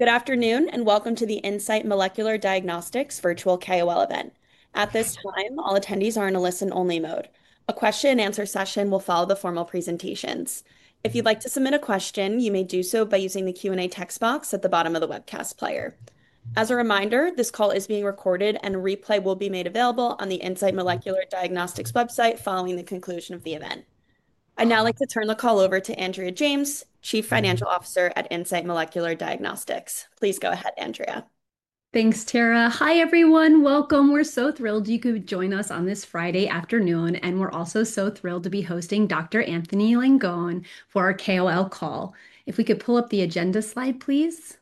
Good afternoon and welcome to the Insight Molecular Diagnostics virtual KOL event. At this time, all attendees are in a listen-only mode. A question and answer session will follow the formal presentations. If you'd like to submit a question, you may do so by using the Q&A text box at the bottom of the webcast player. As a reminder, this call is being recorded and a replay will be made available on the Insight Molecular Diagnostics website following the conclusion of the event. I'd now like to turn the call over to Andrea Susan James, Chief Financial Officer at Insight Molecular Diagnostics Inc. Please go ahead, Andrea. Thanks, Tara. Hi everyone, welcome. We're so thrilled you could join us on this Friday afternoon, and we're also so thrilled to be hosting Dr. Anthony Langone for our KOL call. If we could pull up the agenda slide, please.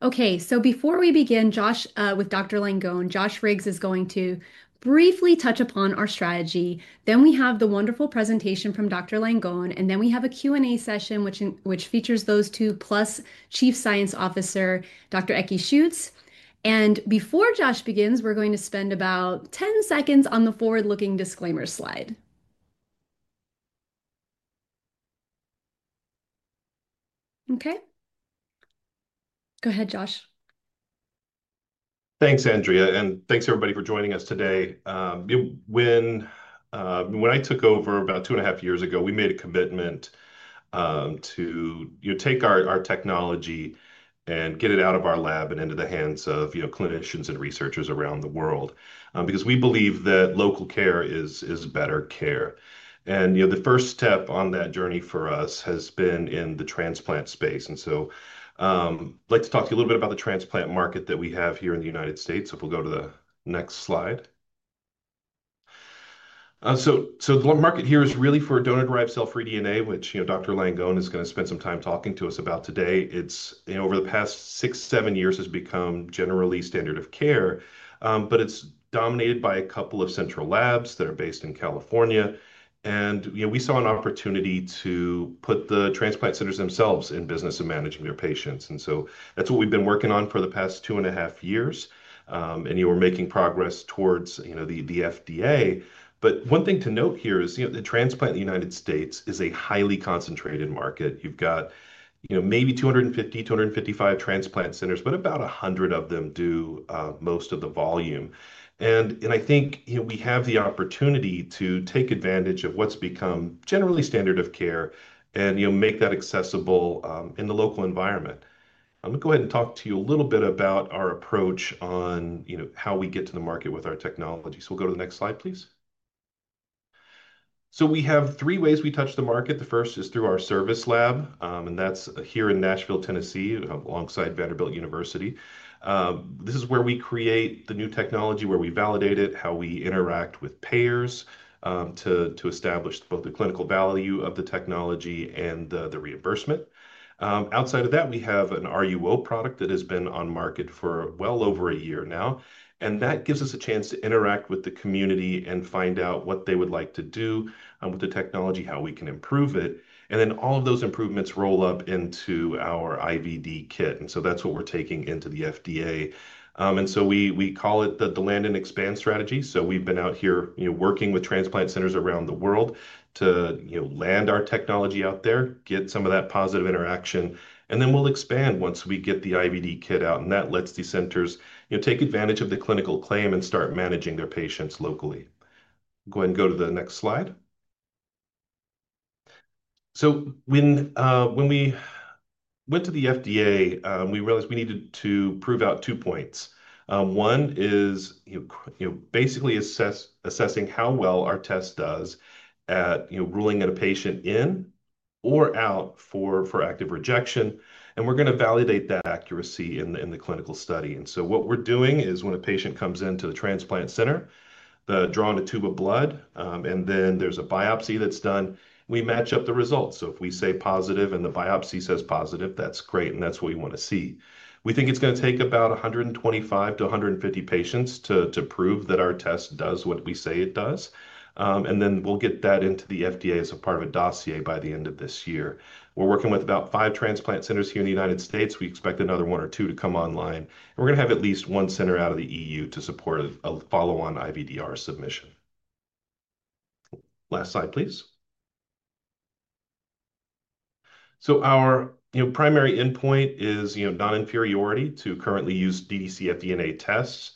Okay, before we begin, Josh, with Dr. Langone, Josh Riggs is going to briefly touch upon our strategy. Then we have the wonderful presentation from Dr. Langone, and then we have a Q&A session which features those two, plus Chief Science Officer Dr. Ekkehard Schutz. Before Josh begins, we're going to spend about 10 seconds on the forward-looking disclaimer slide. Okay? Go ahead, Josh. Thanks, Andrea, and thanks everybody for joining us today. You know, when I took over about two and a half years ago, we made a commitment to take our technology and get it out of our lab and into the hands of clinicians and researchers around the world because we believe that local care is better care. The first step on that journey for us has been in the transplant space. I'd like to talk to you a little bit about the transplant market that we have here in the United States. If we'll go to the next slide. The market here is really for donor-derived cell-free DNA, which Dr. Langone is going to spend some time talking to us about today. Over the past six, seven years, it's become generally standard of care, but it's dominated by a couple of central labs that are based in California. We saw an opportunity to put the transplant centers themselves in business of managing their patients. That's what we've been working on for the past two and a half years. We're making progress towards the FDA. One thing to note here is the transplant in the United States is a highly concentrated market. You've got maybe 250, 255 transplant centers, but about 100 of them do most of the volume. I think we have the opportunity to take advantage of what's become generally standard of care and make that accessible in the local environment. I'm going to go ahead and talk to you a little bit about our approach on how we get to the market with our technology. We'll go to the next slide, please. We have three ways we touch the market. The first is through our service lab, and that's here in Nashville, Tennessee, alongside Vanderbilt University Medical Center. This is where we create the new technology, where we validate it, how we interact with payers to establish both the clinical value of the technology and the reimbursement. Outside of that, we have an RUO product that has been on market for well over a year now. That gives us a chance to interact with the community and find out what they would like to do with the technology, how we can improve it. All of those improvements roll up into our IVD kit. That's what we're taking into the FDA. We call it the land and expand strategy. We've been out here working with transplant centers around the world to land our technology out there, get some of that positive interaction, and then we'll expand once we get the IVD kit out. That lets these centers take advantage of the clinical claim and start managing their patients locally. Go ahead and go to the next slide. When we went to the FDA, we realized we needed to prove out two points. One is basically assessing how well our test does at ruling a patient in or out for active rejection. We're going to validate that accuracy in the clinical study. What we're doing is when a patient comes into the transplant center, they're drawn a tube of blood, and then there's a biopsy that's done. We match up the results. If we say positive and the biopsy says positive, that's great. That's what we want to see. We think it's going to take about 125 patients-150 patients to prove that our test does what we say it does. We'll get that into the FDA as a part of a dossier by the end of this year. We're working with about five transplant centers here in the United States. We expect another one or two to come online. We're going to have at least one center out of the EU to support a follow-on IVDR submission. Last slide, please. Our primary endpoint is non-inferiority to currently used dd-cfDNA tests.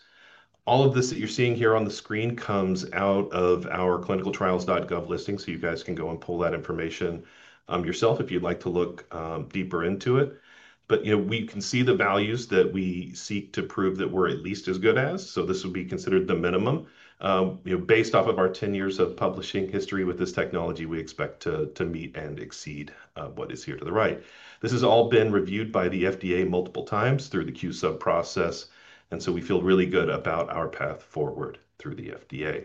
All of this that you're seeing here on the screen comes out of our clinicaltrials.gov listing. You can go and pull that information yourself if you'd like to look deeper into it. We can see the values that we seek to prove that we're at least as good as. This would be considered the minimum. Based off of our 10 years of publishing history with this technology, we expect to meet and exceed what is here to the right. This has all been reviewed by the FDA multiple times through the Q sub process. We feel really good about our path forward through the FDA.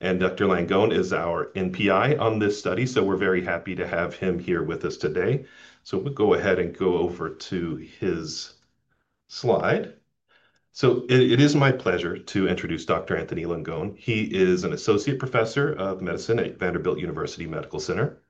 Dr. Langone is our NPI on this study. We're very happy to have him here with us today. We'll go ahead and go over to his slide. It is my pleasure to introduce Dr. Anthony Langone. He is an Associate Professor of Medicine at Vanderbilt University Medical Center.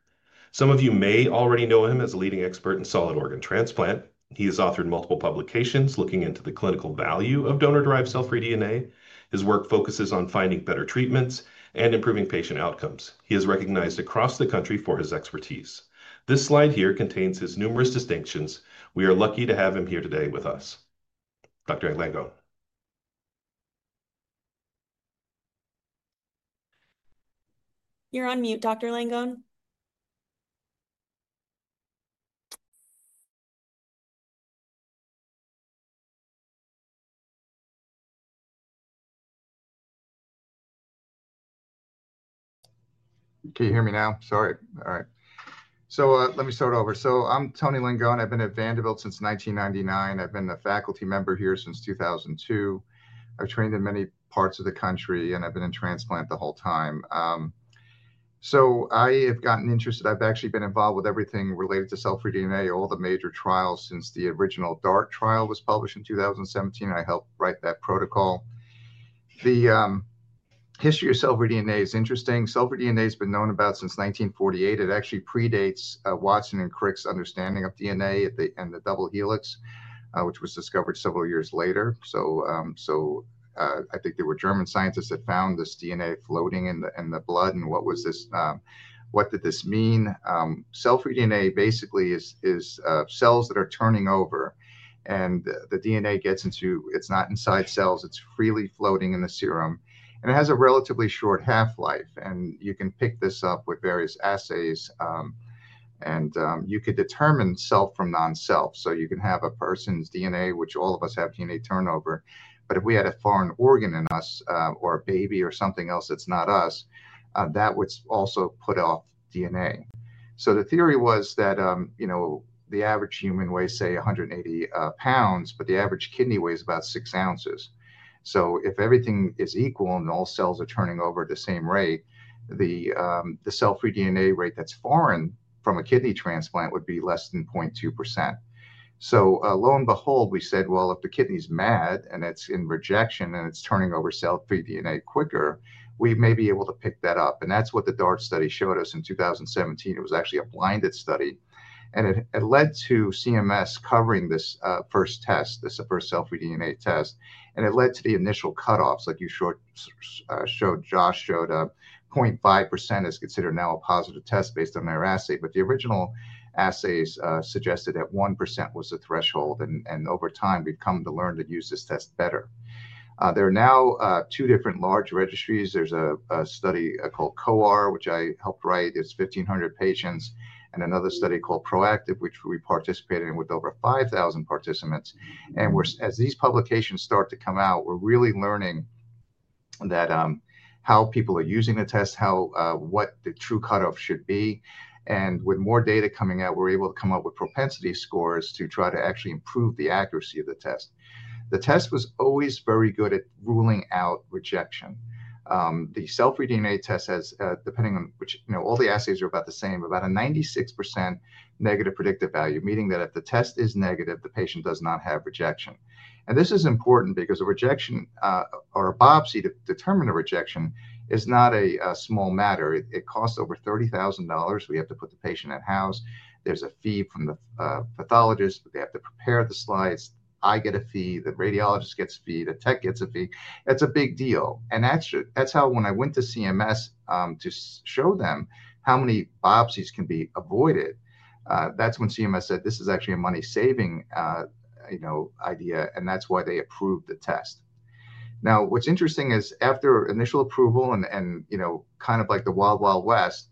Some of you may already know him as a leading expert in solid organ transplant. He has authored multiple publications looking into the clinical value of donor-derived cell-free DNA. His work focuses on finding better treatments and improving patient outcomes. He is recognized across the country for his expertise. This slide here contains his numerous distinctions. We are lucky to have him here today with us. Dr. Langone. You're on mute, Dr. Langone. Can you hear me now? Sorry. All right. Let me start over. I'm Tony Langone. I've been at Vanderbilt since 1999. I've been a faculty member here since 2002. I've trained in many parts of the country, and I've been in transplant the whole time. I have gotten interested. I've actually been involved with everything related to cell-free DNA, all the major trials since the original DART trial was published in 2017. I helped write that protocol. The history of cell-free DNA is interesting. Cell-free DNA has been known about since 1948. It actually predates Watson and Crick's understanding of DNA and the double helix, which was discovered several years later. I think there were German scientists that found this DNA floating in the blood. What did this mean? Cell-free DNA basically is cells that are turning over, and the DNA gets into, it's not inside cells, it's freely floating in the serum. It has a relatively short half-life. You can pick this up with various assays, and you could determine self from non-self. You can have a person's DNA, which all of us have DNA turnover. If we had a foreign organ in us or a baby or something else that's not us, that would also put off DNA. The theory was that the average human weighs, say, 180 pounds, but the average kidney weighs about six ounces. If everything is equal and all cells are turning over at the same rate, the cell-free DNA rate that's foreign from a kidney transplant would be less than 0.2%. Lo and behold, we said if the kidney's mad and it's in rejection and it's turning over cell-free DNA quicker, we may be able to pick that up. That's what the DART study showed us in 2017. It was actually a blinded study. It led to CMS covering this first test, this first cell-free DNA test. It led to the initial cutoffs, like you showed, Josh showed up. 0.5% is considered now a positive test based on their assay. The original assays suggested that 1% was the threshold. Over time, we've come to learn to use this test better. There are now two different large registries. There's a study called COR, which I helped write. There's 1,500 patients. Another study called ProActive, which we participated in with over 5,000 participants. As these publications start to come out, we're really learning how people are using the test, what the true cutoff should be. With more data coming out, we're able to come up with propensity scores to try to actually improve the accuracy of the test. The test was always very good at ruling out rejection. The cell-free DNA test has, depending on which, all the assays are about the same, about a 96% negative predictive value, meaning that if the test is negative, the patient does not have rejection. This is important because a rejection or a biopsy to determine a rejection is not a small matter. It costs over $30,000. We have to put the patient at house. There's a fee from the pathologist. They have to prepare the slides. I get a fee. The radiologist gets a fee. The tech gets a fee. It's a big deal. When I went to CMS to show them how many biopsies can be avoided, that's when CMS said, this is actually a money-saving idea. That's why they approved the test. What's interesting is after initial approval and kind of like the wild, wild west,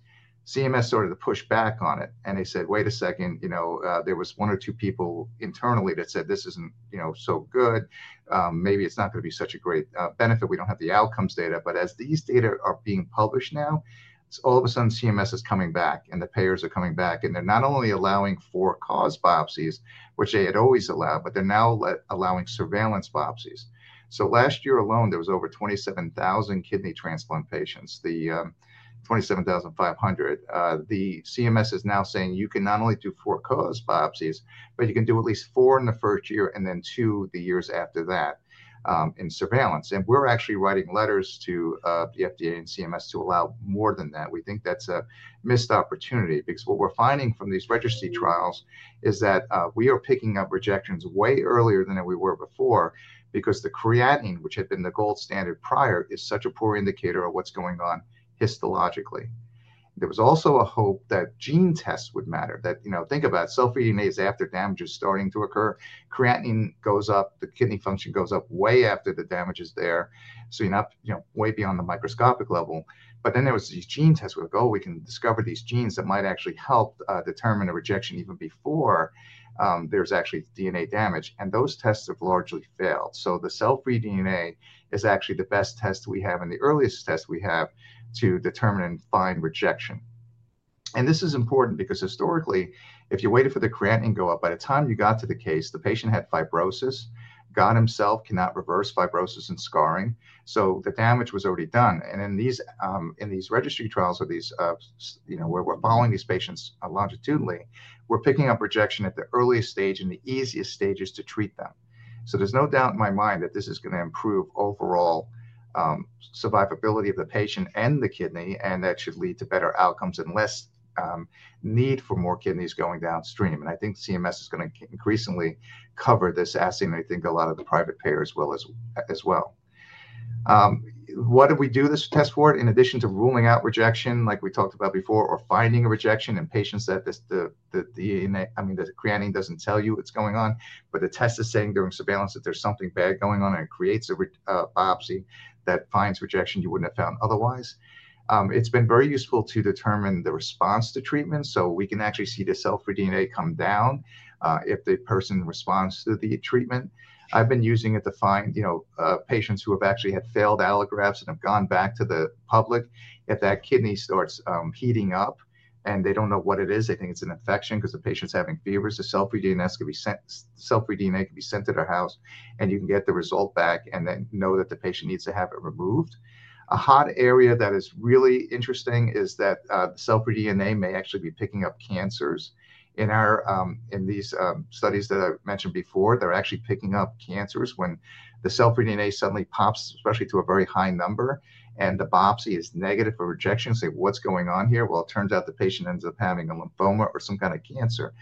CMS started to push back on it. They said, wait a second. There was one or two people internally that said, this isn't so good. Maybe it's not going to be such a great benefit. We don't have the outcomes data. As these data are being published now, all of a sudden, CMS is coming back and the payers are coming back. They're not only allowing for-cause biopsies, which they had always allowed, but they're now allowing surveillance biopsies. Last year alone, there were over 27,000 kidney transplant patients, the 27,500. CMS is now saying you can not only do for-cause biopsies, but you can do at least four in the first year and then two the years after that in surveillance. We're actually writing letters to the FDA and CMS to allow more than that. We think that's a missed opportunity because what we're finding from these registry trials is that we are picking up rejections way earlier than we were before because the creatinine, which had been the gold standard prior, is such a poor indicator of what's going on histologically. There was also a hope that gene tests would matter. Think about it. Cell-free DNA is after damage is starting to occur. Creatinine goes up. The kidney function goes up way after the damage is there. You're not way beyond the microscopic level. Then there were these gene tests where we can discover these genes that might actually help determine a rejection even before there's actually DNA damage. Those tests have largely failed. The cell-free DNA is actually the best test we have and the earliest test we have to determine and find rejection. This is important because historically, if you waited for the creatinine to go up, by the time you got to the case, the patient had fibrosis, gone himself, cannot reverse fibrosis and scarring. The damage was already done. In these registry trials, where we're following these patients longitudinally, we're picking up rejection at the earliest stage and the easiest stages to treat them. There is no doubt in my mind that this is going to improve overall survivability of the patient and the kidney, and that should lead to better outcomes and less need for more kidneys going downstream. I think CMS is going to increasingly cover this assay. I think a lot of the private payers will as well. What do we do this test for? In addition to ruling out rejection, like we talked about before, or finding a rejection in patients that the creatinine doesn't tell you what's going on, but the test is saying during surveillance that there's something bad going on and it creates a biopsy that finds rejection you wouldn't have found otherwise. It's been very useful to determine the response to treatment. We can actually see the cell-free DNA come down if the person responds to the treatment. I've been using it to find patients who have actually had failed allografts and have gone back to the public. If that kidney starts heating up and they don't know what it is, they think it's an infection because the patient's having fevers, the cell-free DNA can be sent to their house and you can get the result back and then know that the patient needs to have it removed. A hot area that is really interesting is that cell-free DNA may actually be picking up cancers. In these studies that I mentioned before, they're actually picking up cancers when the cell-free DNA suddenly pops, especially to a very high number, and the biopsy is negative for rejection. Say, what's going on here? It turns out the patient ends up having a lymphoma or some kind of cancer.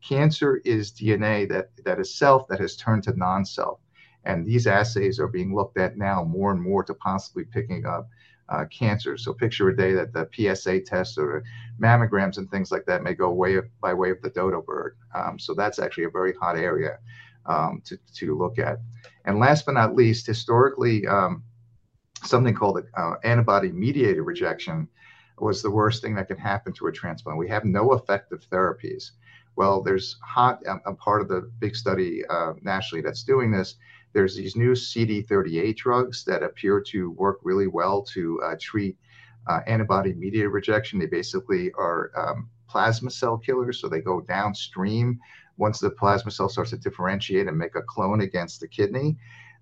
Cancer is DNA that is self that has turned to non-self. These assays are being looked at now more and more to possibly picking up cancers. Picture a day that the PSA tests or mammograms and things like that may go away by way of the Dodo bird. That is actually a very hot area to look at. Last but not least, historically, something called antibody-mediated rejection was the worst thing that could happen to a transplant. We have no effective therapies. There is a part of the big study nationally that's doing this. There are these new CD38 drugs that appear to work really well to treat antibody-mediated rejection. They basically are plasma cell killers. They go downstream. Once the plasma cell starts to differentiate and make a clone against the kidney,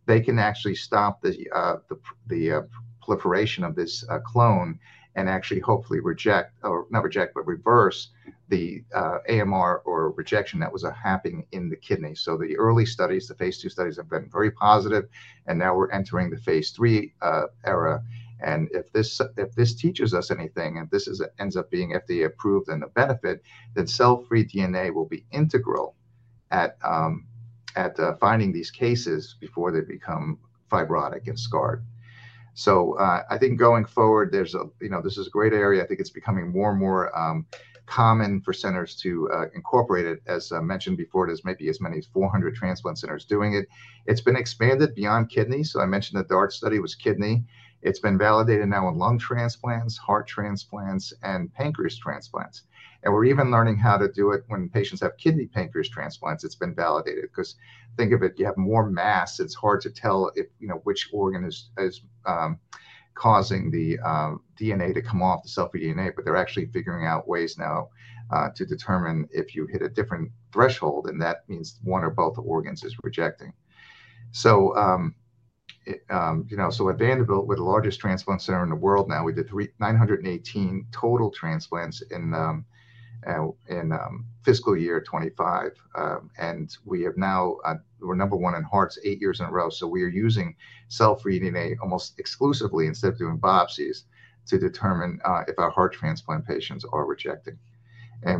they can actually stop the proliferation of this clone and actually hopefully not reject, but reverse the AMR or rejection that was happening in the kidney. The early studies, the phase two studies have been very positive. Now we're entering the phase III era. If this teaches us anything and this ends up being FDA approved and the benefit, then cell-free DNA will be integral at finding these cases before they become fibrotic and scarred. I think going forward, this is a great area. I think it's becoming more and more common for centers to incorporate it. As I mentioned before, there are maybe as many as 400 transplant centers doing it. It's been expanded beyond kidneys. I mentioned the DART study was kidney. It's been validated now in lung transplants, heart transplants, and pancreas transplants. We're even learning how to do it when patients have kidney pancreas transplants. It's been validated because think of it, you have more mass. It's hard to tell which organ is causing the DNA to come off the cell-free DNA. They're actually figuring out ways now to determine if you hit a different threshold, and that means one or both organs are rejecting. At Vanderbilt, we're the largest transplant center in the world now. We did 918 total transplants in fiscal year 2025. We're number one in hearts eight years in a row. We are using cell-free DNA almost exclusively instead of doing biopsies to determine if our heart transplant patients are rejecting.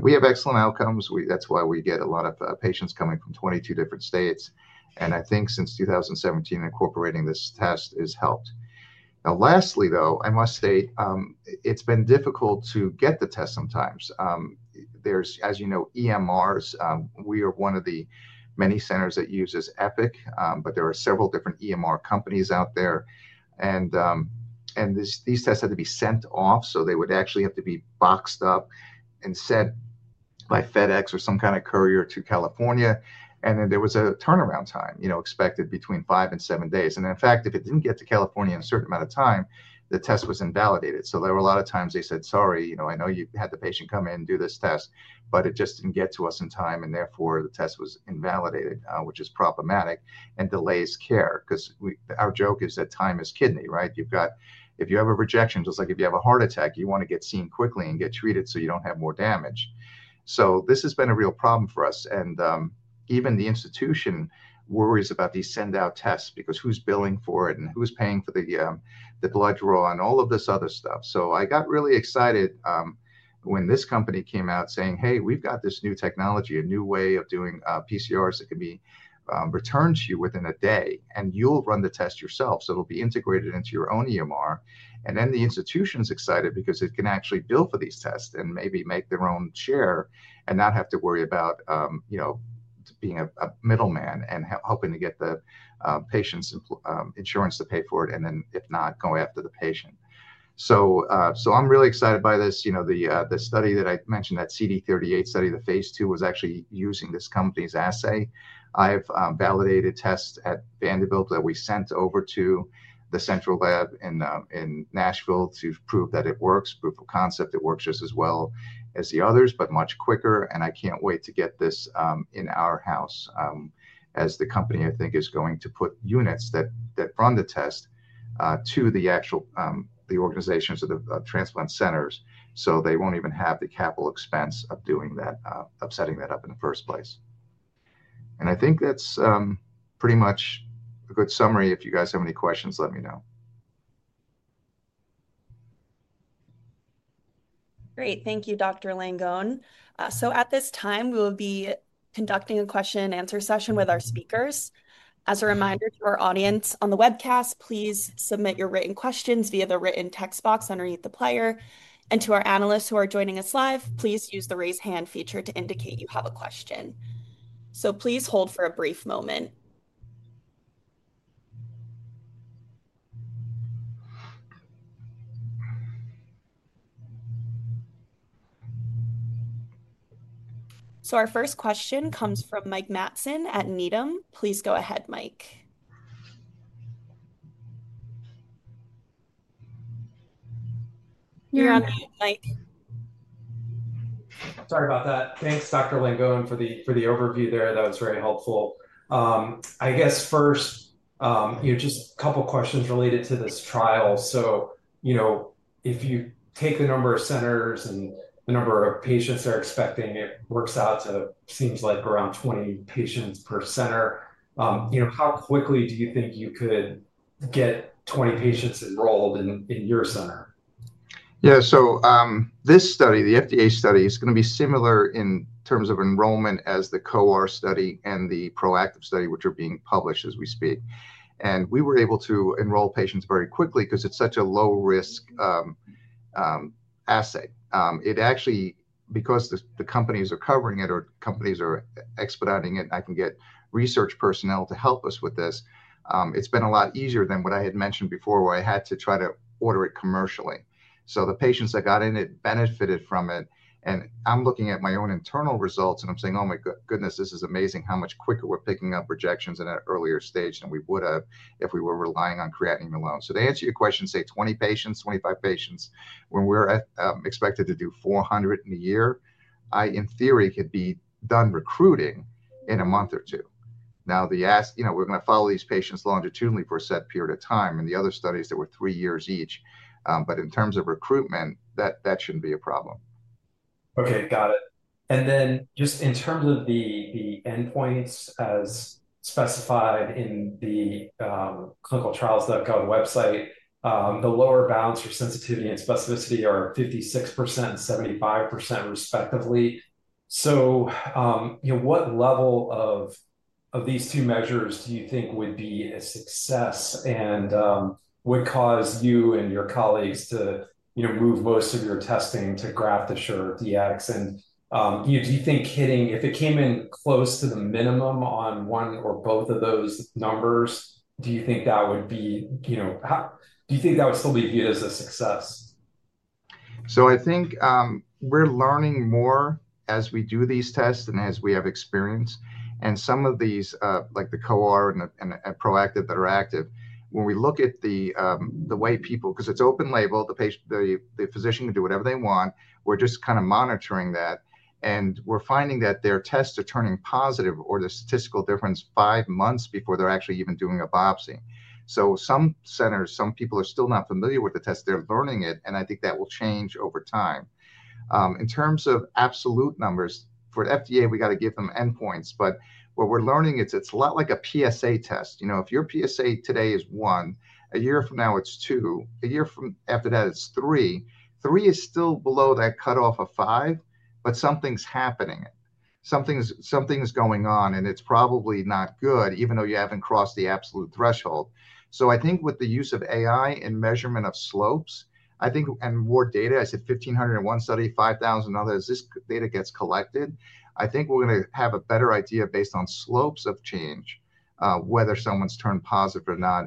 We have excellent outcomes. That's why we get a lot of patients coming from 22 different states. I think since 2017, incorporating this test has helped. Lastly, I must say it's been difficult to get the test sometimes. As you know, EMRs. We are one of the many centers that uses Epic, but there are several different EMR companies out there. These tests had to be sent off. They would actually have to be boxed up and sent by FedEx or some kind of courier to California. There was a turnaround time expected between five and seven days. In fact, if it did not get to California in a certain amount of time, the test was invalidated. There were a lot of times they said, sorry, I know you had the patient come in and do this test, but it just did not get to us in time. Therefore, the test was invalidated, which is problematic and delays care. Our joke is that time is kidney, right? If you have a rejection, just like if you have a heart attack, you want to get seen quickly and get treated so you do not have more damage. This has been a real problem for us. Even the institution worries about these send-out tests because who is billing for it and who is paying for the blood draw and all of this other stuff. I got really excited when this company came out saying, hey, we have got this new technology, a new way of doing PCRs that can be returned to you within a day. You will run the test yourself. It will be integrated into your own EMR. The institution is excited because it can actually bill for these tests and maybe make their own share and not have to worry about being a middleman and helping to get the patient's insurance to pay for it. If not, go after the patient. I am really excited by this. The study that I mentioned, that CD38 study, the phase two, was actually using this company's assay. I have validated tests at Vanderbilt that we sent over to the central lab in Nashville to prove that it works, proof of concept that works just as well as the others, but much quicker. I cannot wait to get this in our house as the company, I think, is going to put units that run the test to the actual organizations of the transplant centers. They will not even have the capital expense of setting that up in the first place. I think that is pretty much a good summary. If you guys have any questions, let me know. Great. Thank you, Dr. Langone. At this time, we will be conducting a question and answer session with our speakers. As a reminder to our audience on the webcast, please submit your written questions via the written text box underneath the player. To our analysts who are joining us live, please use the raise hand feature to indicate you have a question. Please hold for a brief moment. Our first question comes from Mike Matson at Needham. Please go ahead, Mike. You're on mute, Mike. Sorry about that. Thanks, Dr. Langone, for the overview there. That was very helpful. I guess first, just a couple of questions related to this trial. If you take a number of centers and the number of patients they're expecting, it works out to seems like around 20 patients per center. How quickly do you think you could get 20 patients enrolled in your center? Yeah, so this study, the FDA study, is going to be similar in terms of enrollment as the DART study and the ProActive study, which are being published as we speak. We were able to enroll patients very quickly because it's such a low-risk assay. It actually, because the companies are covering it or companies are expediting it, I can get research personnel to help us with this. It's been a lot easier than what I had mentioned before, where I had to try to order it commercially. The patients that got in it benefited from it. I'm looking at my own internal results and I'm saying, oh my goodness, this is amazing how much quicker we're picking up rejections at an earlier stage than we would have if we were relying on creatinine alone. To answer your question, say 20 patients, 25 patients, when we're expected to do 400 in a year, I, in theory, could be done recruiting in a month or two. We're going to follow these patients longitudinally for a set period of time and the other studies that were three years each. In terms of recruitment, that shouldn't be a problem. OK, got it. In terms of the endpoints as specified in the clinicaltrials.gov website, the lower bounds for sensitivity and specificity are 56% and 75% respectively. What level of these two measures do you think would be a success and would cause you and your colleagues to move most of your testing to GraftAssureDX? Do you think hitting, if it came in close to the minimum on one or both of those numbers, do you think that would still be viewed as a success? I think we're learning more as we do these tests and as we have experience. Some of these, like the COR and ProActive that are active, when we look at the white people, because it's open label, the physician can do whatever they want. We're just kind of monitoring that. We're finding that their tests are turning positive or the statistical difference five months before they're actually even doing a biopsy. Some centers, some people are still not familiar with the test. They're learning it. I think that will change over time. In terms of absolute numbers, for the FDA, we got to give them endpoints. What we're learning is it's a lot like a PSA test. If your PSA today is 1, a year from now it's 2, a year after that it's 3. 3 is still below that cutoff of 5, but something's happening. Something's going on. It's probably not good, even though you haven't crossed the absolute threshold. I think with the use of AI and measurement of slopes, and more data, I said 1,501 study, 5,000 others, this data gets collected. I think we're going to have a better idea based on slopes of change whether someone's turned positive or not.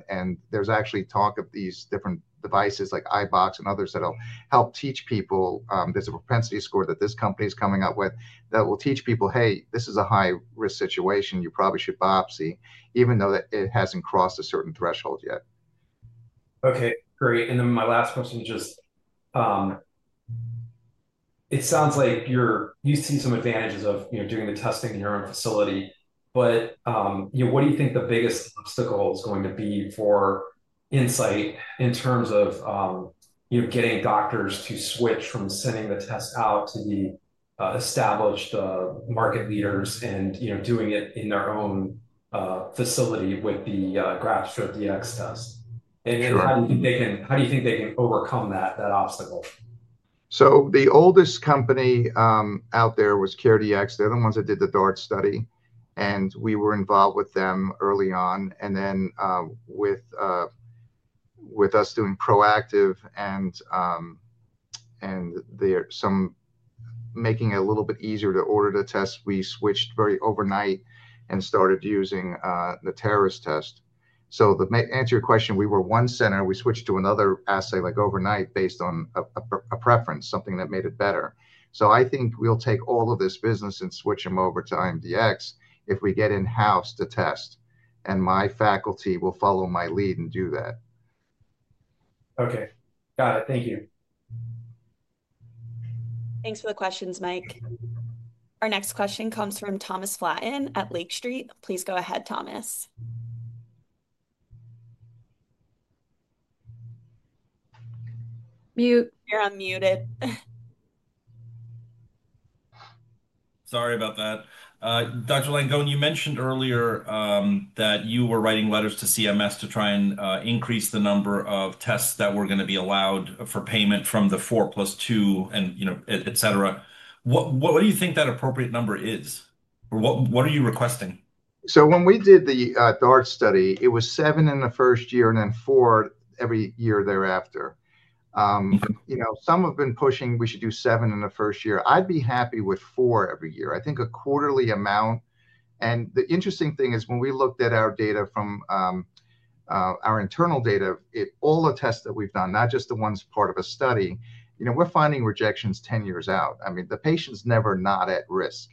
There's actually talk of these different devices like iBox and others that will help teach people. There's a propensity score that this company is coming up with that will teach people, hey, this is a high-risk situation. You probably should biopsy, even though it hasn't crossed a certain threshold yet. OK, great. My last question is just, it sounds like you see some advantages of doing the testing in your own facility. What do you think the biggest obstacle is going to be for Insight Molecular Diagnostics Inc. in terms of getting doctors to switch from sending the test out to the established market leaders and doing it in their own facility with the GraftAssureDX test? How do you think they can overcome that obstacle? The oldest company out there was CareDx. They're the ones that did the DART study. We were involved with them early on. With us doing ProActive and making it a little bit easier to order the test, we switched very overnight and started using the Natera's test. To answer your question, we were one center. We switched to another assay like overnight based on a preference, something that made it better. I think we'll take all of this business and switch them over to Insight Molecular Diagnostics Inc. if we get in-house to test. My faculty will follow my lead and do that. OK, got it. Thank you. Thanks for the questions, Mike. Our next question comes from Thomas Flaten at Lake Street. Please go ahead, Thomas. You're unmuted. Sorry about that. Dr. Langone, you mentioned earlier that you were writing letters to CMS to try and increase the number of tests that were going to be allowed for payment from the 4 plus 2, et cetera. What do you think that appropriate number is? What are you requesting? When we did the DART study, it was seven in the first year and then four every year thereafter. Some have been pushing we should do seven in the first year. I'd be happy with four every year. I think a quarterly amount. The interesting thing is when we looked at our data from our internal data, all the tests that we've done, not just the ones part of a study, we're finding rejections 10 years out. The patient's never not at risk.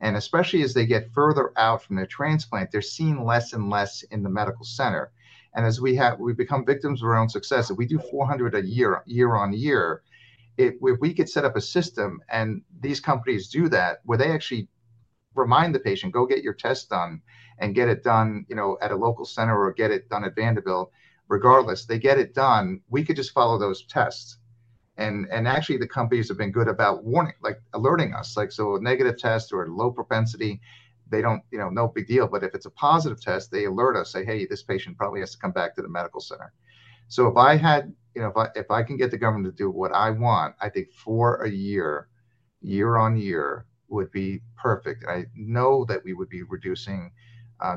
Especially as they get further out from their transplant, they're seen less and less in the medical center. As we become victims of our own success, if we do 400 a year, year on year, if we could set up a system and these companies do that, where they actually remind the patient, go get your test done and get it done at a local center or get it done at Vanderbilt. Regardless, they get it done. We could just follow those tests. The companies have been good about alerting us. A negative test or a low propensity, no big deal. If it's a positive test, they alert us, say, hey, this patient probably has to come back to the medical center. If I can get the government to do what I want, I think four a year, year on year, would be perfect. I know that we would be reducing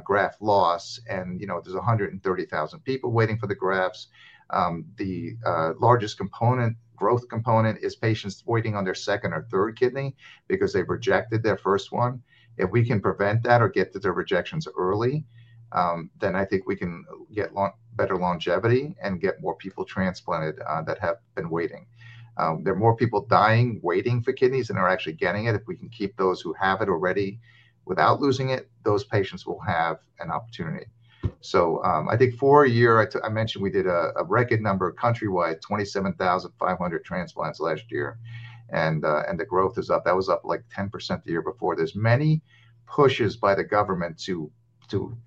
graft loss. There's 130,000 people waiting for the grafts. The largest growth component is patients waiting on their second or third kidney because they've rejected their first one. If we can prevent that or get to their rejections early, then I think we can get better longevity and get more people transplanted that have been waiting. There are more people dying waiting for kidneys than are actually getting it. If we can keep those who have it already without losing it, those patients will have an opportunity. I think four a year, I mentioned we did a record number countrywide, 27,500 transplants last year. The growth is up. That was up like 10% the year before. There are many pushes by the government to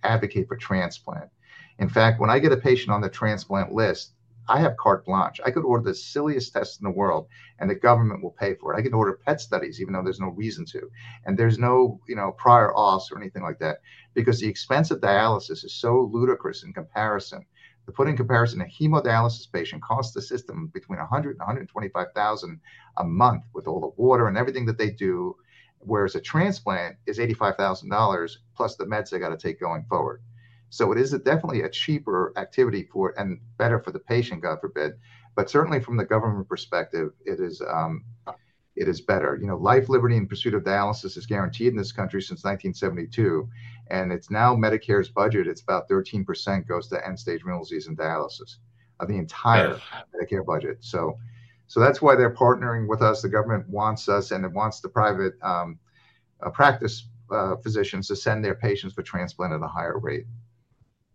advocate for transplant. In fact, when I get a patient on the transplant list, I have carte blanche. I could order the silliest test in the world, and the government will pay for it. I can order PET studies, even though there's no reason to. There's no prior auths or anything like that because the expense of dialysis is so ludicrous in comparison. To put in comparison, a hemodialysis patient costs the system between $100,000 and $125,000 a month with all the water and everything that they do, whereas a transplant is $85,000 plus the meds they got to take going forward. It is definitely a cheaper activity and better for the patient, God forbid. Certainly, from the government perspective, it is better. Life, liberty, and pursuit of dialysis is guaranteed in this country since 1972. It's now Medicare's budget. It's about 13% goes to end-stage renal disease and dialysis of the entire Medicare budget. That's why they're partnering with us. The government wants us and it wants the private practice physicians to send their patients for transplant at a higher rate.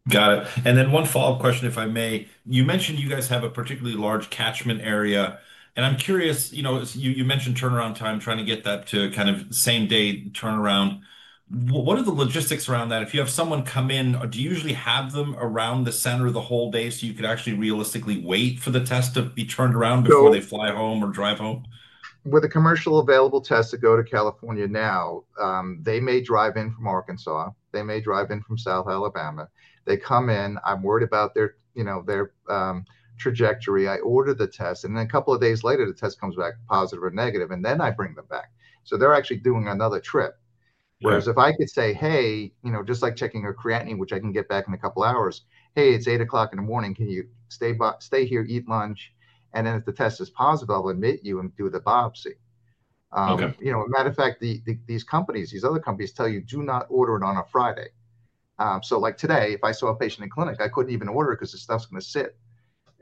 Got it. One follow-up question, if I may. You mentioned you guys have a particularly large catchment area. I'm curious, you mentioned turnaround time, trying to get that to kind of same-day turnaround. What are the logistics around that? If you have someone come in, do you usually have them around the center the whole day so you could actually realistically wait for the test to be turned around before they fly home or drive home? With a commercially available test to go to California now, they may drive in from Arkansas. They may drive in from South Alabama. They come in. I'm worried about their trajectory. I order the test, and then a couple of days later, the test comes back positive or negative. I bring them back, so they're actually doing another trip. If I could say, hey, just like checking a creatinine, which I can get back in a couple of hours, hey, it's 8:00 A.M., can you stay here, eat lunch, and then if the test is positive, I'll admit you and do the biopsy. As a matter of fact, these companies, these other companies tell you do not order it on a Friday. Like today, if I saw a patient in clinic, I couldn't even order it because the stuff's going to sit.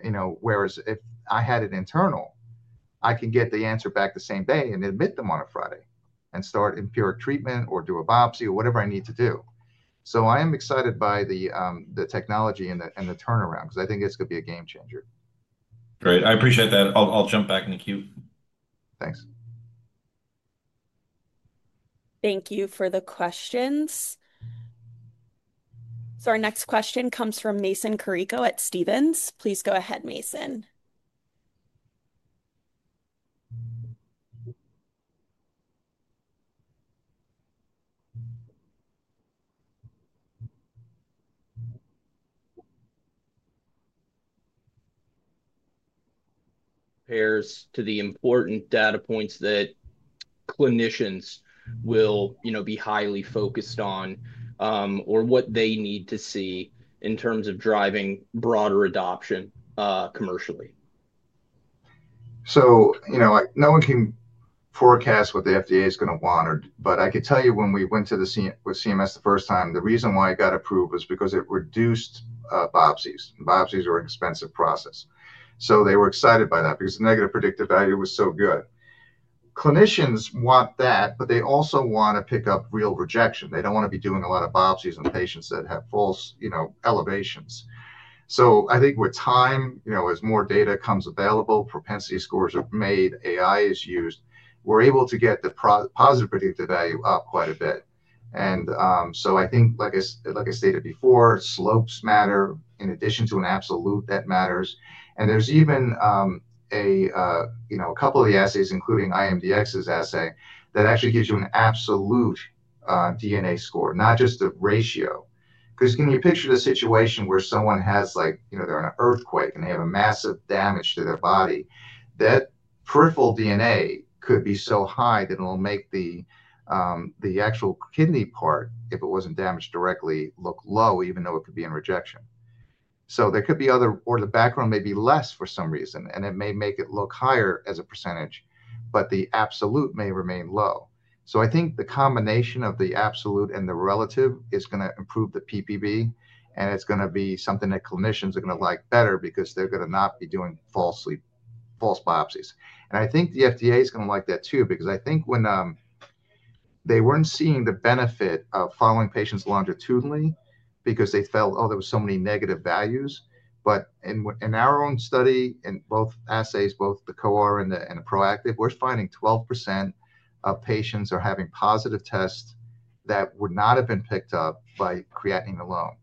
If I had it internal, I can get the answer back the same day and admit them on a Friday and start empiric treatment or do a biopsy or whatever I need to do. I am excited by the technology and the turnaround because I think this could be a game changer. Great. I appreciate that. I'll jump back in the queue. Thanks. Thank you for the questions. Our next question comes from Mason Carrico at Stephens. Please go ahead, Mason. Pairs to the important data points that clinicians will be highly focused on or what they need to see in terms of driving broader adoption commercially. No one can forecast what the FDA is going to want. I could tell you when we went to the CMS the first time, the reason why it got approved was because it reduced biopsies. Biopsies are an expensive process. They were excited by that because the negative predictive value was so good. Clinicians want that, but they also want to pick up real rejection. They don't want to be doing a lot of biopsies on patients that have false elevations. I think with time, as more data comes available, propensity scores are made, AI is used, we're able to get the positive predictive value up quite a bit. Like I stated before, slopes matter in addition to an absolute that matters. There's even a couple of the assays, including Insight Molecular Diagnostics Inc.'s assay, that actually gives you an absolute DNA score, not just a ratio. Can you picture the situation where someone is in an earthquake and they have massive damage to their body? That peripheral DNA could be so high that it will make the actual kidney part, if it wasn't damaged directly, look low, even though it could be in rejection. There could be other, or the background may be less for some reason. It may make it look higher as a percentage, but the absolute may remain low. I think the combination of the absolute and the relative is going to improve the PPV. It's going to be something that clinicians are going to like better because they're going to not be doing false biopsies. I think the FDA is going to like that too, because when they weren't seeing the benefit of following patients longitudinally, they felt there were so many negative values. In our own study, in both assays, both the COR and the ProActive, we're finding 12% of patients are having positive tests that would not have been picked up by creatinine alone.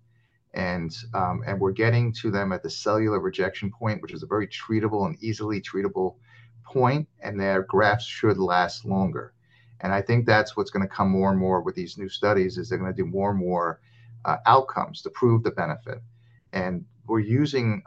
We're getting to them at the cellular rejection point, which is a very treatable and easily treatable point. Their grafts should last longer. I think that's what's going to come more and more with these new studies. They're going to do more and more outcomes to prove the benefit. We're using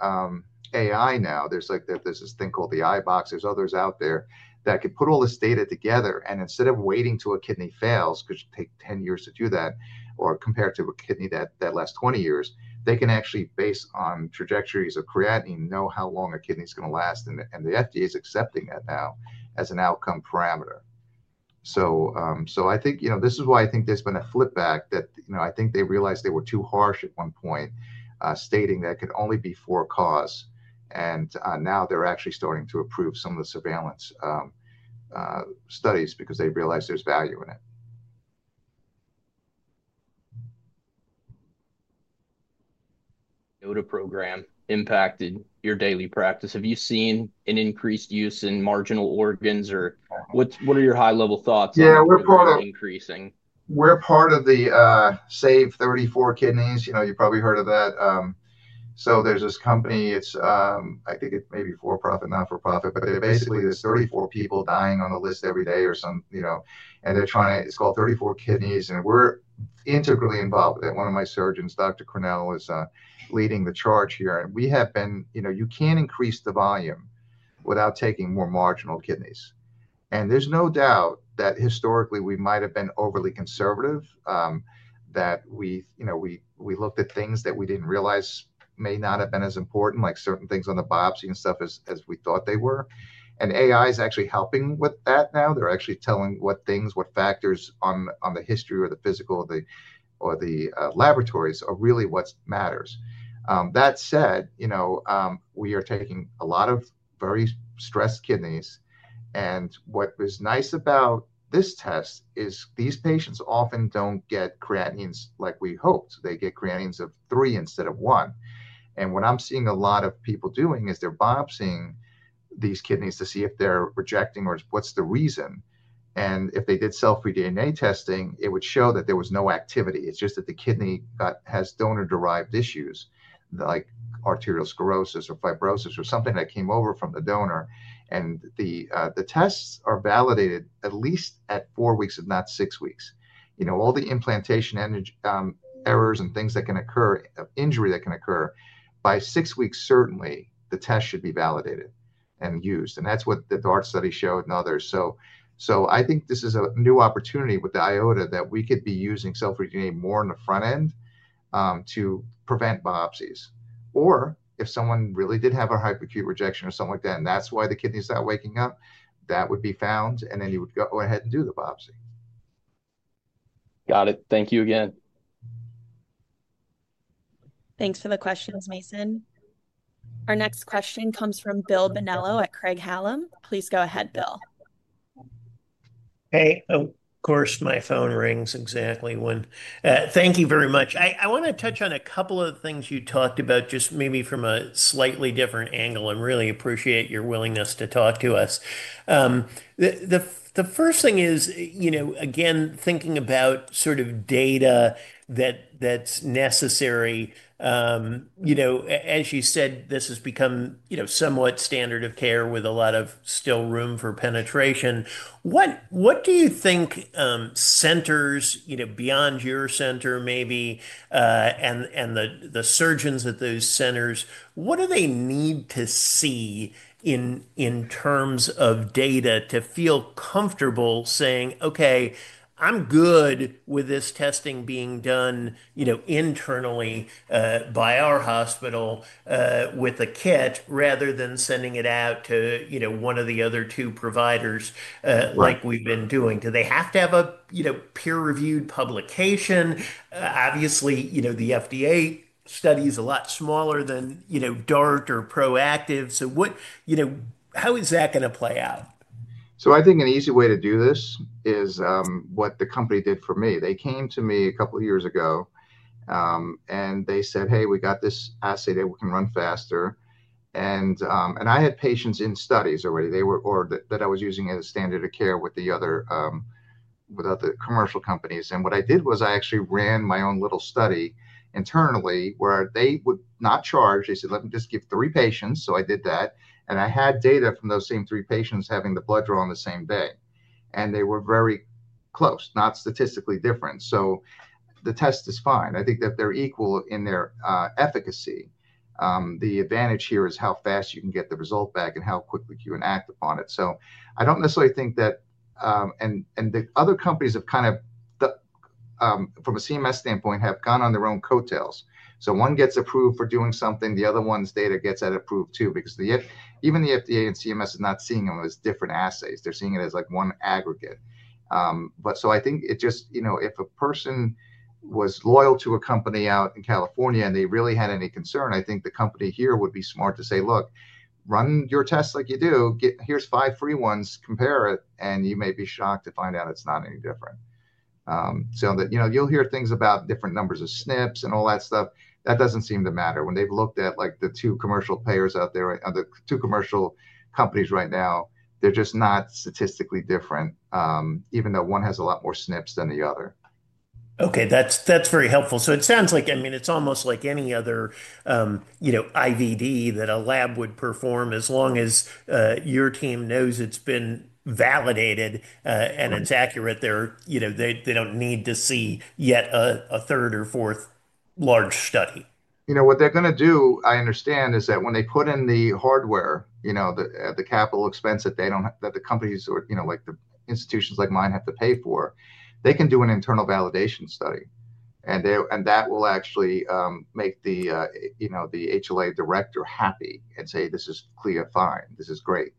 AI now. There's this thing called the iBox. There are others out there that could put all this data together. Instead of waiting till a kidney fails, which could take 10 years to do that, or compared to a kidney that lasts 20 years, they can actually, based on trajectories of creatinine, know how long a kidney is going to last. The FDA is accepting that now as an outcome parameter. I think this is why I think there's been a flipback that I think they realized they were too harsh at one point, stating that it could only be for causes. Now they're actually starting to approve some of the surveillance studies because they realize there's value in it. DART program impacted your daily practice. Have you seen an increased use in marginal organs? What are your high-level thoughts on that increasing? Yeah, we're part of the Save 34 Kidneys. You know, you probably heard of that. There's this company. I think it's maybe for-profit, not for-profit. Basically, there are 34 people dying on the list every day or some. They're trying to, it's called 34 Kidneys. We're integrally involved with it. One of my surgeons, Dr. Cornell, is leading the charge here. You can't increase the volume without taking more marginal kidneys. There's no doubt that historically, we might have been overly conservative, that we looked at things that we didn't realize may not have been as important, like certain things on the biopsy and stuff as we thought they were. AI is actually helping with that now. They're actually telling what things, what factors on the history or the physical or the laboratories are really what matters. That said, we are taking a lot of very stressed kidneys. What was nice about this test is these patients often don't get creatinines like we hoped. They get creatinines of 3 instead of 1. What I'm seeing a lot of people doing is they're biopsying these kidneys to see if they're rejecting or what's the reason. If they did cell-free DNA testing, it would show that there was no activity. It's just that the kidney has donor-derived issues, like arteriosclerosis or fibrosis or something that came over from the donor. The tests are validated at least at 4 weeks, if not 6 weeks. All the implantation errors and things that can occur, injury that can occur, by 6 weeks, certainly, the test should be validated and used. That's what the DART study showed and others. I think this is a new opportunity with the IOTA that we could be using cell-free DNA more on the front end to prevent biopsies. If someone really did have a hyperacute rejection or something like that, and that's why the kidney's not waking up, that would be found. You would go ahead and do the biopsy. Got it. Thank you again. Thanks for the questions, Mason. Our next question comes from Bill Bonello at Craig-Hallum. Please go ahead, Bill. Hey, of course, my phone rings exactly when. Thank you very much. I want to touch on a couple of the things you talked about, just maybe from a slightly different angle. I really appreciate your willingness to talk to us. The first thing is, you know, again, thinking about sort of data that's necessary. As you said, this has become somewhat standard of care with a lot of still room for penetration. What do you think centers beyond your center maybe and the surgeons at those centers, what do they need to see in terms of data to feel comfortable saying, OK, I'm good with this testing being done internally by our hospital with a kit rather than sending it out to one of the other two providers like we've been doing? Do they have to have a peer-reviewed publication? Obviously, the FDA study is a lot smaller than DART or ProActive. How is that going to play out? I think an easy way to do this is what the company did for me. They came to me a couple of years ago, and they said, hey, we got this assay that can run faster. I had patients in studies already that I was using as standard of care with the other commercial companies. What I did was I actually ran my own little study internally where they would not charge. They said, let me just give three patients. I did that, and I had data from those same three patients having the blood drawn the same day. They were very close, not statistically different. The test is fine. I think that they're equal in their efficacy. The advantage here is how fast you can get the result back and how quickly you can act upon it. I don't necessarily think that, and the other companies have kind of, from a CMS standpoint, have gone on their own coattails. One gets approved for doing something. The other one's data gets that approved too because even the FDA and CMS is not seeing them as different assays. They're seeing it as like one aggregate. If a person was loyal to a company out in California and they really had any concern, I think the company here would be smart to say, look, run your tests like you do. Here's five free ones. Compare it. You may be shocked to find out it's not any different. You'll hear things about different numbers of SNPs and all that stuff. That doesn't seem to matter. When they've looked at the two commercial players out there, the two commercial companies right now, they're just not statistically different, even though one has a lot more SNPs than the other. OK, that's very helpful. It sounds like, I mean, it's almost like any other IVD that a lab would perform as long as your team knows it's been validated and it's accurate. They don't need to see yet a third or fourth large study. What they're going to do, I understand, is that when they put in the hardware, the capital expense that the companies, like the institutions like mine, have to pay for, they can do an internal validation study. That will actually make the HLA Director happy and say, this is clear fine. This is great.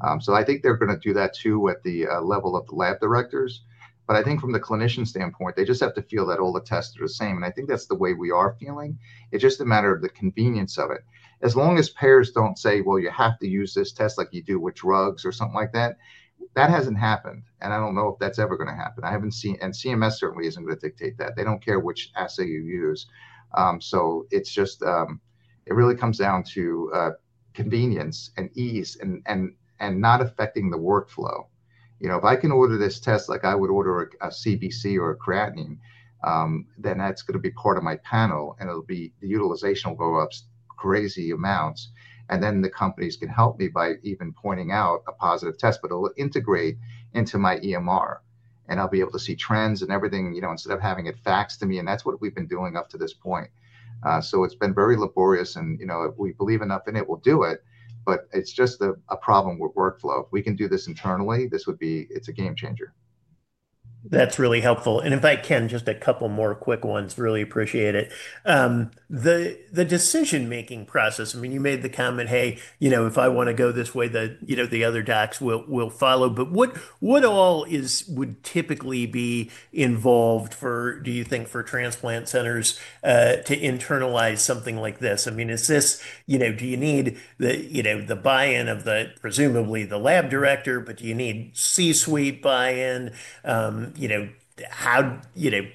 I think they're going to do that too at the level of the Lab Directors. From the clinician standpoint, they just have to feel that all the tests are the same. I think that's the way we are feeling. It's just a matter of the convenience of it. As long as payers don't say, you have to use this test like you do with drugs or something like that, that hasn't happened. I don't know if that's ever going to happen. CMS certainly isn't going to dictate that. They don't care which assay you use. It really comes down to convenience and ease and not affecting the workflow. If I can order this test like I would order a CBC or a creatinine, then that's going to be part of my panel. The utilization will go up crazy amounts. The companies can help me by even pointing out a positive test. It'll integrate into my EMR, and I'll be able to see trends and everything instead of having it faxed to me. That's what we've been doing up to this point. It's been very laborious. We believe enough in it, we'll do it. It's just a problem with workflow. If we can do this internally, this would be, it's a game changer. That's really helpful. If I can, just a couple more quick ones. Really appreciate it. The decision-making process, I mean, you made the comment, hey, if I want to go this way, the other docs will follow. What all would typically be involved, do you think, for transplant centers to internalize something like this? Do you need the buy-in of presumably the Lab Director? Do you need C-suite buy-in?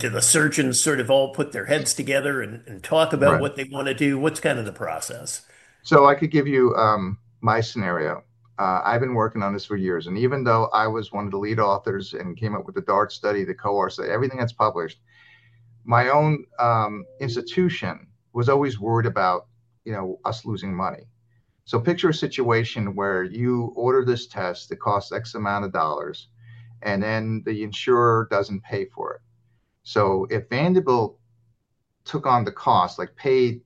Do the surgeons sort of all put their heads together and talk about what they want to do? What's kind of the process? I could give you my scenario. I've been working on this for years. Even though I was one of the lead authors and came up with the DART study, the COR study, everything that's published, my own institution was always worried about us losing money. Picture a situation where you order this test that costs X amount of dollars, and then the insurer doesn't pay for it. If Vanderbilt took on the cost, like paid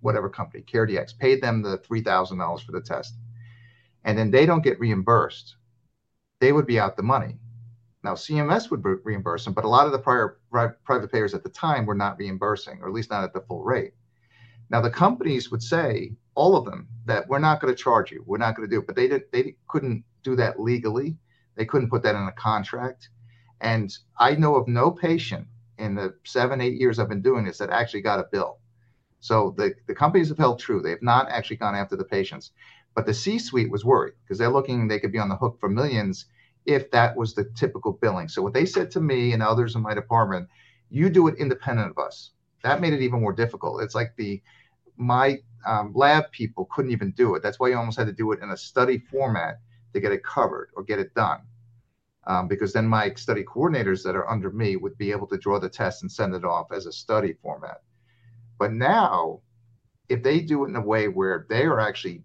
whatever company, CareDx, paid them the $3,000 for the test, and then they don't get reimbursed, they would be out the money. CMS would reimburse them. A lot of the private payers at the time were not reimbursing, or at least not at the full rate. The companies would say, all of them, that we're not going to charge you. We're not going to do it. They couldn't do that legally. They couldn't put that in a contract. I know of no patient in the seven, eight years I've been doing this that actually got a bill. The companies have held true. They have not actually gone after the patients. The C-suite was worried because they're looking they could be on the hook for millions if that was the typical billing. What they said to me and others in my department, you do it independent of us. That made it even more difficult. It's like my lab people couldn't even do it. That's why you almost had to do it in a study format to get it covered or get it done. Then my study coordinators that are under me would be able to draw the test and send it off as a study format. Now, if they do it in a way where they are actually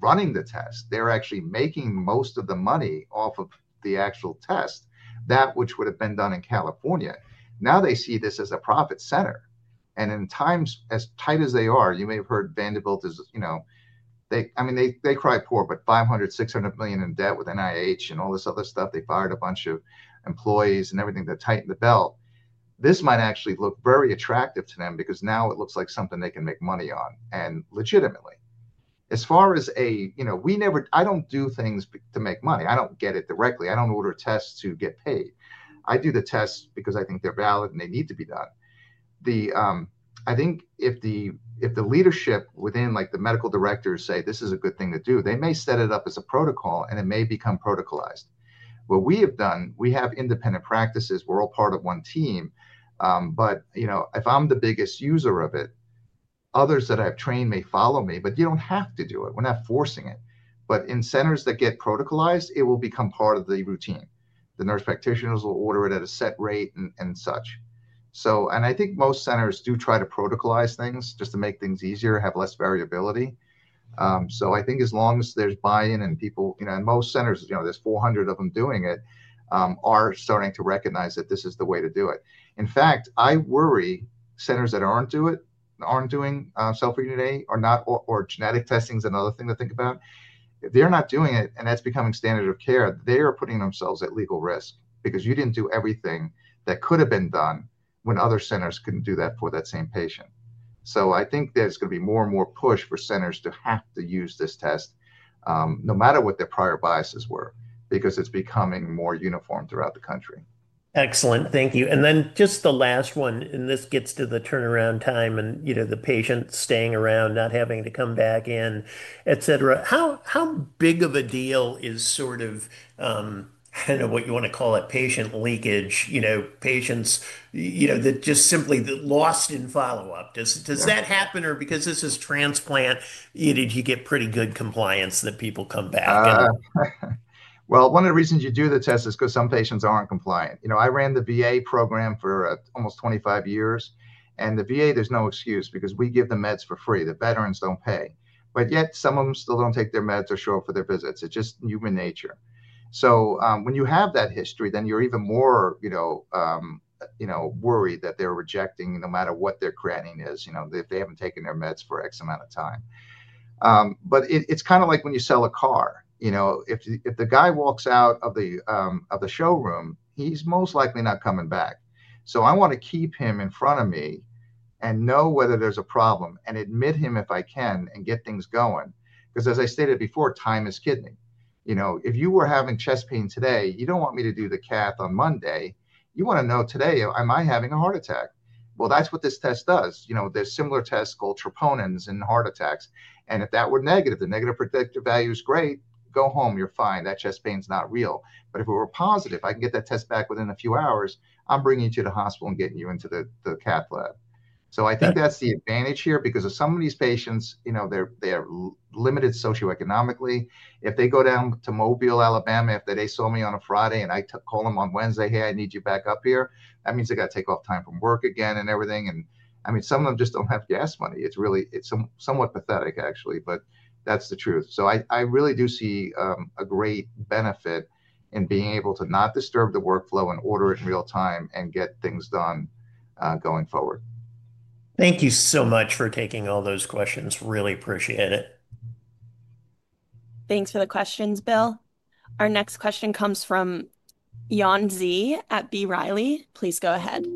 running the test, they're actually making most of the money off of the actual test, that which would have been done in California. Now they see this as a profit center. In times as tight as they are, you may have heard Vanderbilt is, I mean, they cry poor, but $500 million, $600 million in debt with NIH and all this other stuff. They fired a bunch of employees and everything to tighten the belt. This might actually look very attractive to them because now it looks like something they can make money on, and legitimately. As far as a, I don't do things to make money. I don't get it directly. I don't order tests to get paid. I do the tests because I think they're valid and they need to be done. I think if the leadership within the Medical Directors say this is a good thing to do, they may set it up as a protocol and it may become protocolized. What we have done, we have independent practices. We're all part of one team. If I'm the biggest user of it, others that I've trained may follow me. You don't have to do it. We're not forcing it. In centers that get protocolized, it will become part of the routine. The Nurse Practitioners will order it at a set rate and such. I think most centers do try to protocolize things just to make things easier and have less variability. I think as long as there's buy-in and people, and most centers, there's 400 of them doing it, are starting to recognize that this is the way to do it. In fact, I worry centers that aren't doing cell-free DNA or genetic testing is another thing to think about. If they're not doing it and that's becoming standard of care, they are putting themselves at legal risk because you didn't do everything that could have been done when other centers couldn't do that for that same patient. I think there's going to be more and more push for centers to have to use this test no matter what their prior biases were because it's becoming more uniform throughout the country. Excellent. Thank you. Just the last one. This gets to the turnaround time and the patients staying around, not having to come back in, et cetera. How big of a deal is, I don't know what you want to call it, patient leakage? Patients that just simply lost in follow-up. Does that happen? Or because this is transplant, you get pretty good compliance that people come back? One of the reasons you do the test is because some patients aren't compliant. I ran the VA program for almost 25 years. In the VA, there's no excuse because we give the meds for free. The veterans don't pay, yet some of them still don't take their meds or show up for their visits. It's just human nature. When you have that history, then you're even more worried that they're rejecting no matter what their creatinine is, that they haven't taken their meds for X amount of time. It's kind of like when you sell a car. If the guy walks out of the showroom, he's most likely not coming back. I want to keep him in front of me and know whether there's a problem and admit him if I can and get things going. As I stated before, time is kidney. If you were having chest pain today, you don't want me to do the cath on Monday. You want to know today, am I having a heart attack? That's what this test does. There are similar tests called troponins in heart attacks. If that were negative, the negative predictive value is great, go home. You're fine. That chest pain is not real. If it were positive, I can get that test back within a few hours. I'm bringing you to the hospital and getting you into the cath lab. I think that's the advantage here because some of these patients, they're limited socioeconomically. If they go down to Mobile, Alabama, if they saw me on a Friday and I call them on Wednesday, hey, I need you back up here, that means they have to take off time from work again and everything. Some of them just don't have gas money. It's really somewhat pathetic, actually, but that's the truth. I really do see a great benefit in being able to not disturb the workflow and order it in real time and get things done going forward. Thank you so much for taking all those questions. Really appreciate it. Thanks for the questions, Bill. Our next question comes from Yuan Zhi at B. Riley. Please go ahead.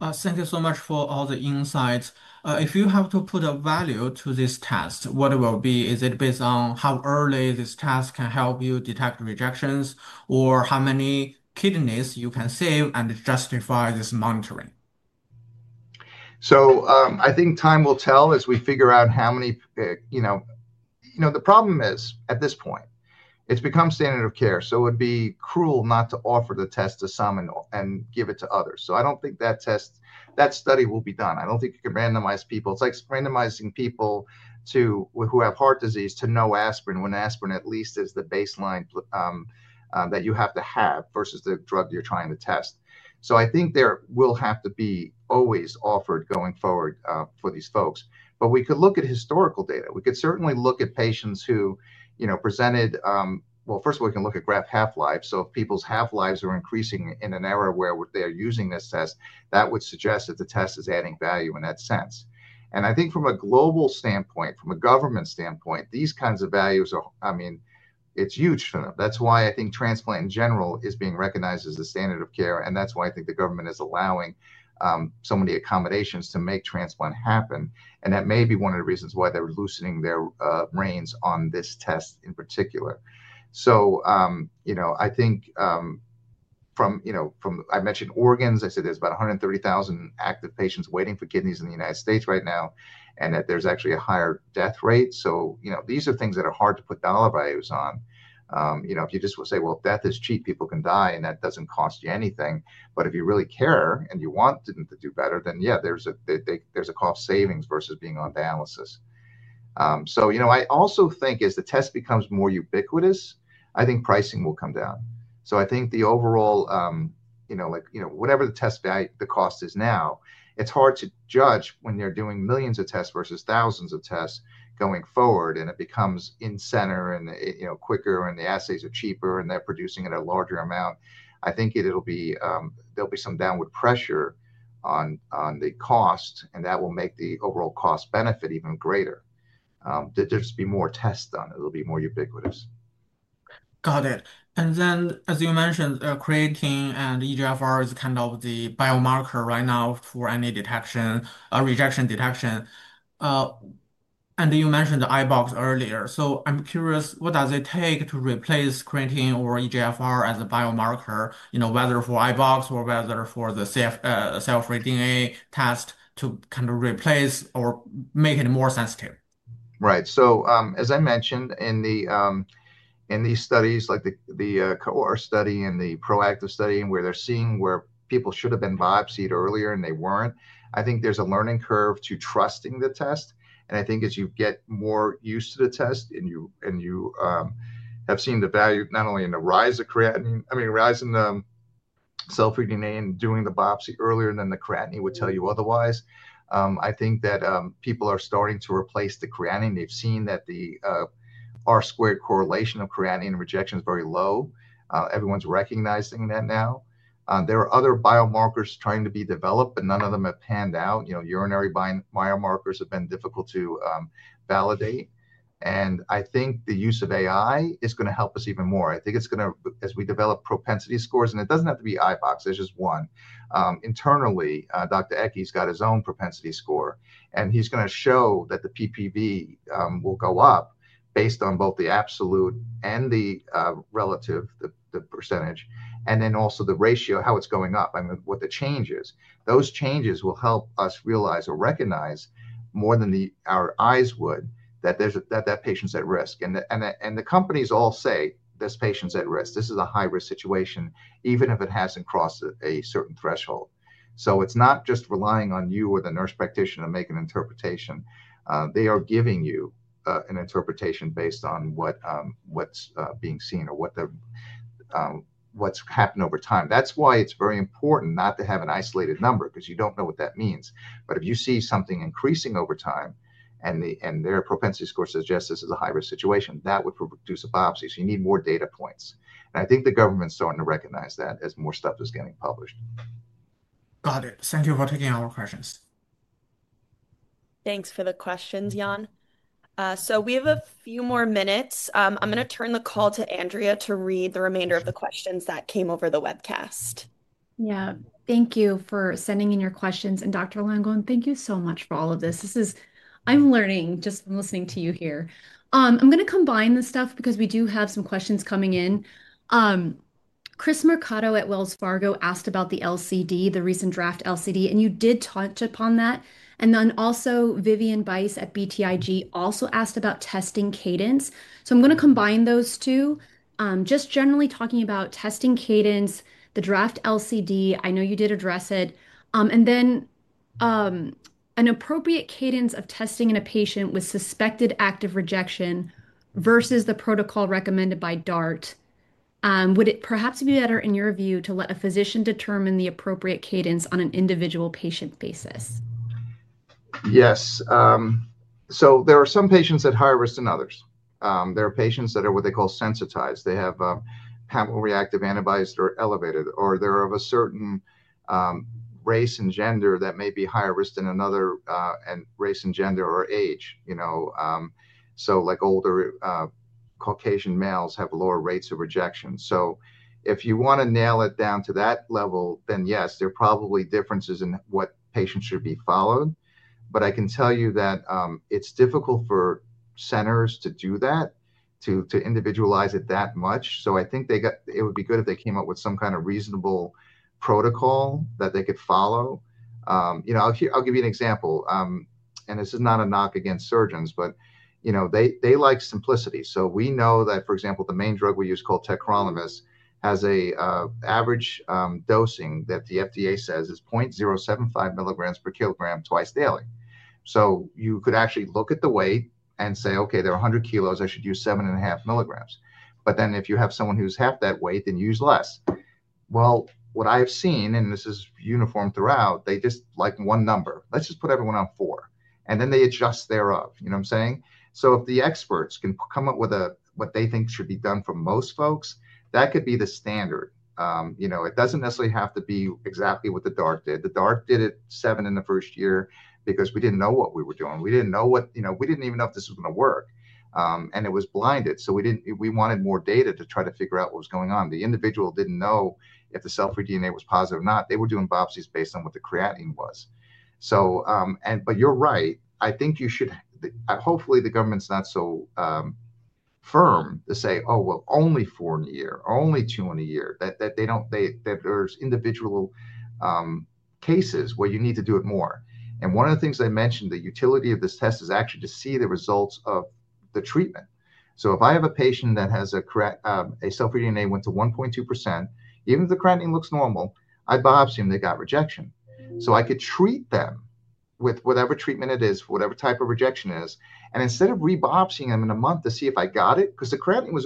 Thank you so much for all the insights. If you have to put a value to this test, what will it be? Is it based on how early this test can help you detect rejections, or how many kidneys you can save and justify this monitoring? I think time will tell as we figure out how many. The problem is at this point, it's become standard of care. It would be cruel not to offer the test to some and give it to others. I don't think that study will be done. I don't think you can randomize people. It's like randomizing people who have heart disease to no aspirin when aspirin at least is the baseline that you have to have versus the drug you're trying to test. I think there will have to be always offered going forward for these folks. We could look at historical data. We could certainly look at patients who presented. First of all, we can look at graft half-life. If people's half-lives are increasing in an era where they're using this test, that would suggest that the test is adding value in that sense. I think from a global standpoint, from a government standpoint, these kinds of values, it's huge for them. That's why I think transplant in general is being recognized as the standard of care. That's why I think the government is allowing some of the accommodations to make transplant happen. That may be one of the reasons why they're loosening their reins on this test in particular. I mentioned organs. I said there's about 130,000 active patients waiting for kidneys in the United States right now and that there's actually a higher death rate. These are things that are hard to put dollar values on. If you just say, death is cheap, people can die, and that doesn't cost you anything. If you really care and you want them to do better, then yeah, there's a cost savings versus being on dialysis. I also think as the test becomes more ubiquitous, I think pricing will come down. I think the overall, whatever the test cost is now, it's hard to judge when they're doing millions of tests versus thousands of tests going forward. It becomes in-center and quicker and the assays are cheaper and they're producing at a larger amount. I think there'll be some downward pressure on the cost. That will make the overall cost benefit even greater. There'll just be more tests done. It'll be more ubiquitous. Got it. As you mentioned, creatinine and eGFR is kind of the biomarker right now for any rejection detection. You mentioned the iBox earlier. I'm curious, what does it take to replace creatinine or eGFR as a biomarker, whether for iBox or for the cell-free DNA test to replace or make it more sensitive? Right. As I mentioned in these studies, like the COR study and the ProActive study, where they're seeing where people should have been biopsied earlier and they weren't, I think there's a learning curve to trusting the test. I think as you get more used to the test and you have seen the value not only in the rise of creatinine, I mean, rise in the cell-free DNA and doing the biopsy earlier than the creatinine would tell you otherwise, people are starting to replace the creatinine. They've seen that the R-squared correlation of creatinine rejection is very low. Everyone's recognizing that now. There are other biomarkers trying to be developed, but none of them have panned out. Urinary biomarkers have been difficult to validate. I think the use of AI is going to help us even more. I think as we develop propensity scores, and it doesn't have to be iBox. That's just one. Internally, Dr. Ekkehard Schütz has his own propensity score. He's going to show that the PPV will go up based on both the absolute and the relative, the percentage, and then also the ratio, how it's going up, what the change is. Those changes will help us realize or recognize more than our eyes would that that patient's at risk. The companies all say this patient's at risk. This is a high-risk situation, even if it hasn't crossed a certain threshold. It's not just relying on you or the nurse practitioner to make an interpretation. They are giving you an interpretation based on what's being seen or what's happened over time. That's why it's very important not to have an isolated number because you don't know what that means. If you see something increasing over time and their propensity score suggests this is a high-risk situation, that would produce a biopsy. You need more data points. I think the government's starting to recognize that as more stuff is getting published. Got it. Thank you for taking all our questions. Thanks for the questions, Yuan. We have a few more minutes. I'm going to turn the call to Andrea to read the remainder of the questions that came over the webcast. Thank you for sending in your questions. Dr. Langone, thank you so much for all of this. I'm learning just from listening to you here. I'm going to combine this because we do have some questions coming in. Chris Mercado at Wells Fargo asked about the LCD, the recent draft LCD, and you did touch upon that. Vivian Vice at BTIG also asked about testing cadence. I'm going to combine those two, just generally talking about testing cadence, the draft LCD, I know you did address it, and then an appropriate cadence of testing in a patient with suspected active rejection versus the protocol recommended by DART. Would it perhaps be better in your view to let a physician determine the appropriate cadence on an individual patient basis? Yes. There are some patients at higher risk than others. There are patients that are what they call sensitized. They have haplo-reactive antibodies that are elevated, or they're of a certain race and gender that may be higher risk than another race and gender or age. Older Caucasian males have lower rates of rejection. If you want to nail it down to that level, then yes, there are probably differences in what patients should be followed. I can tell you that it's difficult for centers to do that, to individualize it that much. I think it would be good if they came up with some kind of reasonable protocol that they could follow. I'll give you an example. This is not a knock against surgeons, but they like simplicity. We know that, for example, the main drug we use called Tacrolimus has an average dosing that the FDA says is 0.075 mg per kilogram twice daily. You could actually look at the weight and say, OK, they are 100 kilos. I should use 7.5 mg. If you have someone who's half that weight, then use less. What I have seen, and this is uniform throughout, they just like one number. Let's just put everyone on four, and then they adjust thereof. You know what I'm saying? If the experts can come up with what they think should be done for most folks, that could be the standard. It doesn't necessarily have to be exactly what the DART did. The DART did it seven in the first year because we didn't know what we were doing. We didn't know what, you know, we didn't even know if this was going to work. It was blinded. We wanted more data to try to figure out what was going on. The individual didn't know if the cell-free DNA was positive or not. They were doing biopsies based on what the creatinine was. You're right. I think you should, hopefully, the government's not so firm to say, oh, only four in a year, only two in a year, that there's individual cases where you need to do it more. One of the things I mentioned, the utility of this test is actually to see the results of the treatment. If I have a patient that has a cell-free DNA that went to 1.2%, even if the creatinine looks normal, I biopsy them, they got rejection. I could treat them with whatever treatment it is, whatever type of rejection it is, and instead of re-biopsying them in a month to see if I got it, because the creatinine was.